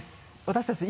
私たち